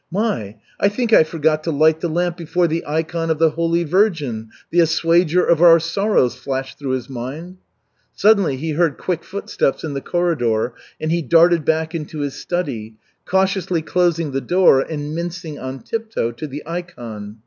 "My, I think I forgot to light the lamp before the ikon of the Holy Virgin, the Assuager of Our Sorrows," flashed through his mind. Suddenly he heard quick footsteps in the corridor, and he darted back into his study, cautiously closing the door and mincing on tiptoe to the ikon.